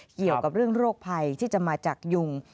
เกี่ยวกับเรื่องโรคภัยที่จะมาจากยุง